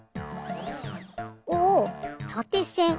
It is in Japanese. おおたてせん。